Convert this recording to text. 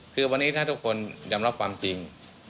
คือวันนี้ถ้าทุกคนยอมรับความจริง